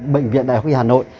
bệnh viện học y hà nội